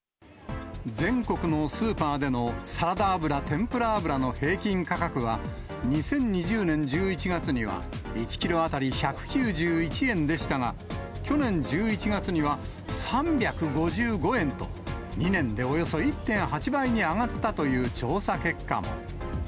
全国のスーパーでのサラダ油、天ぷら油の平均価格は、２０２０年１１月には、１キロ当たり１９１円でしたが、去年１１月には３５５円と、２年でおよそ１．８倍に上がったという調査結果も。